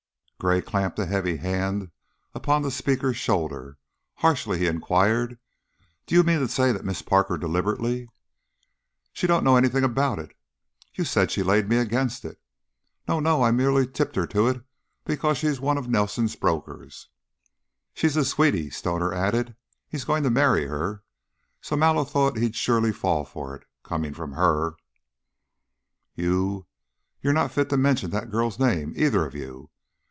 Gray clamped a heavy hand upon the speaker's shoulder; harshly he inquired, "Do you mean to say that Miss Parker deliberately " "She don't know anything about it." "You said she 'laid me' against it." "No, no! I merely tipped her to it because she's one of Nelson's brokers." "She's his sweetie," Stoner added. "He's going to marry her, so Mallow thought he'd surely fall for it, coming from her." "You you're not fit to mention that girl's name, either of you."